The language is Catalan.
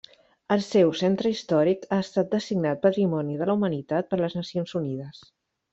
El seu centre històric ha estat designat Patrimoni de la Humanitat per les Nacions Unides.